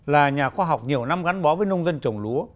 là nhà khoa học nhiều năm gắn bó với nông dân trồng lúa